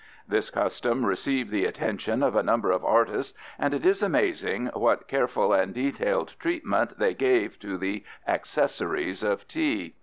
This custom received the attention of a number of artists, and it is amazing what careful and detailed treatment they gave to the accessories of tea.